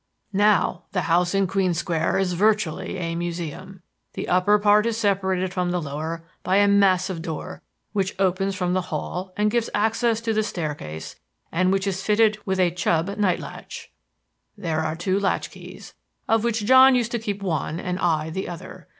"Now the house in Queen Square is virtually a museum. The upper part is separated from the lower by a massive door which opens from the hall and gives access to the staircase and which is fitted with a Chubb night latch. There are two latch keys, of which John used to keep one and I the other.